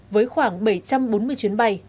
với khoảng bảy trăm bốn mươi chuyến bay